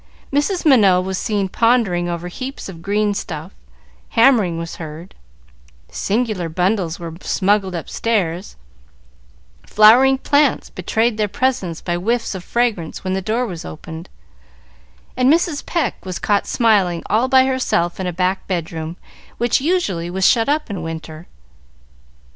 Mrs. Minot was seen pondering over heaps of green stuff, hammering was heard, singular bundles were smuggled upstairs, flowering plants betrayed their presence by whiffs of fragrance when the door was opened, and Mrs. Pecq was caught smiling all by herself in a back bedroom, which usually was shut up in winter.